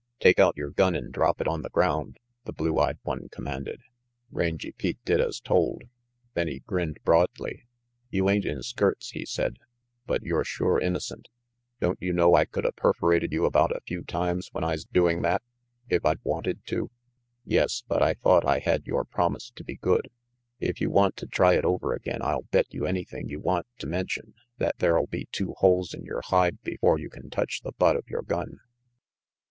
'' "Take out your gun and drop it on the ground," the blue eyed one commanded. Rangy Pete did as told, then he grinned broadly. "You ain't in skirts," he said, "but you're sure 34 RANGY PETE innocent. Don't you know I coulda perforated you about a few times when I's doing that, if I'd wanted to?" "Yes, but I thought I had your promise to be good. If you want to try it over again I'll bet you anything you want to mention that there'll be two holes in your hide before you can touch the butt of your gun."